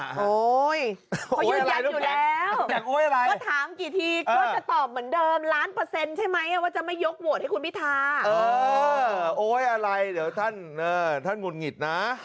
เออโอ๊ยอะไรเดี๋ยวท่านท่านมุนหงิดนะ